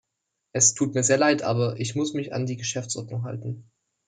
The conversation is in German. Es tut mir sehr leid, aber ich muss mich an die Geschäftsordnung halten.